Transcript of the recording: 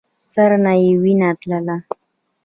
سر نه يې وينه تله.